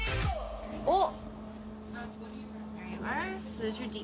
おっ。